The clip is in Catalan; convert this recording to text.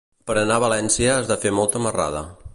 Per anar a València has de fer molta marrada.